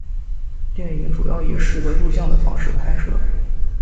电影主要以拾得录像的方式拍摄。